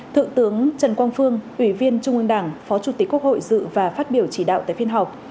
thượng tướng trần quang phương ủy viên trung ương đảng phó chủ tịch quốc hội dự và phát biểu chỉ đạo tại phiên họp